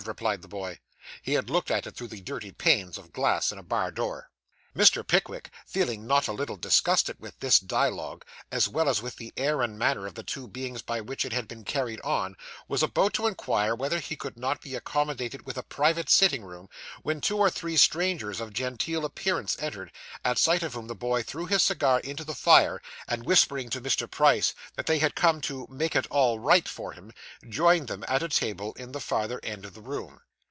replied the boy. He had looked at it through the dirty panes of glass in a bar door. Mr. Pickwick, feeling not a little disgusted with this dialogue, as well as with the air and manner of the two beings by whom it had been carried on, was about to inquire whether he could not be accommodated with a private sitting room, when two or three strangers of genteel appearance entered, at sight of whom the boy threw his cigar into the fire, and whispering to Mr. Price that they had come to 'make it all right' for him, joined them at a table in the farther end of the room.